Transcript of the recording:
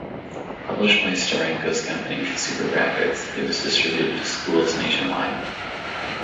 Published by Steranko's company, Supergraphics, it was distributed to schools nationwide.